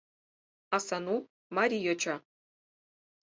А Сану — марий йоча.